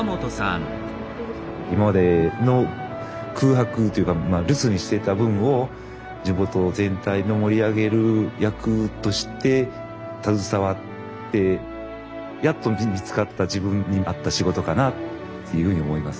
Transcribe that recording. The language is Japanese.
今までの空白っていうか留守にしてた分を地元全体の盛り上げる役として携わってやっと見つかった自分に合った仕事かなっていうふうに思います。